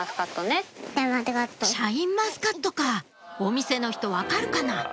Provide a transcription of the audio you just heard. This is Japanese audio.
シャインマスカットかお店の人分かるかな？